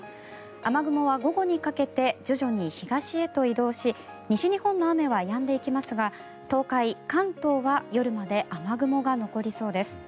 雨雲は午後にかけて徐々に東へと移動し西日本の雨はやんできますが東海、関東は夜まで雨雲が残りそうです。